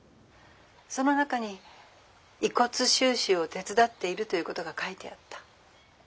☎その中に遺骨収集を手伝っているということが書いてあった。